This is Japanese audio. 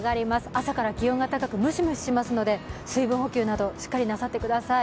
朝から気温が高く、ムシムシしますので水分補給などしっかりなさってください。